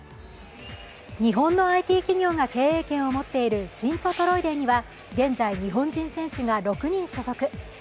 日本のＩＴ企業が経営権を持っているシント・トロイデンには現在、日本人選手が６人所属。